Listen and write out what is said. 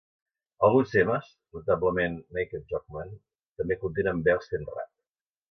Alguns temes, notablement "Naked Jock Man", també contenen veus fent rap.